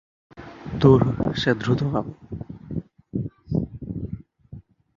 ধুর, সে দ্রুতগামী।